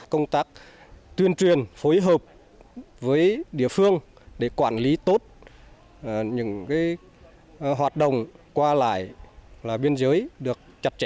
công tác tuyên truyền phối hợp với địa phương để quản lý tốt những hoạt động qua lại biên giới được chặt chẽ